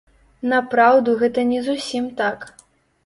Напраўду гэта не зусім так.